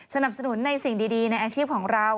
สนับสนุนในสิ่งดีในอาชีพของเรา